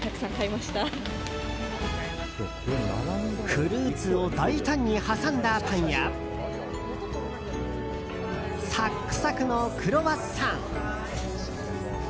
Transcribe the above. フルーツを大胆に挟んだパンやサックサクのクロワッサン。